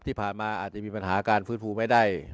ที่ผ่านมาอาจจะมีปัญหาการฟื้นฟูไม่ได้